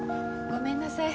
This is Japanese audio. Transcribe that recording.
ごめんなさい。